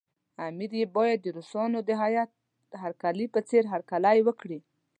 امیر یې باید د روسانو د هیات هرکلي په څېر هرکلی وکړي.